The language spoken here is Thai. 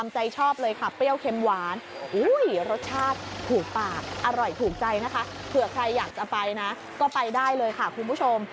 ก็ไปได้เลยค่ะคุณผู้ชม